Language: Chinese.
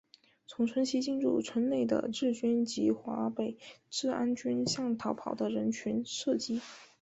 从村西进入村内的日军及华北治安军向逃跑的人群射击。